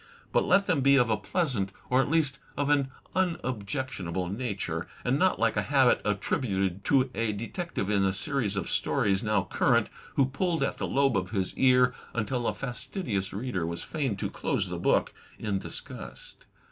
But let them be of a pleasant or at least of an unobjectionable nature, and not like a habit attributed to a detective in a series of stories now current, who pulled at the lobe of his ear, until a fastidious reader was fain to close the book in disgust.